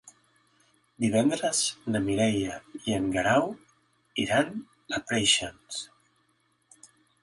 Divendres na Mireia i en Guerau iran a Preixens.